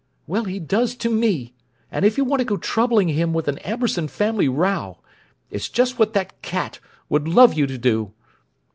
"Well, he does to me! And you want to go troubling him with an Amberson family row! It's just what that cat would love you to do!"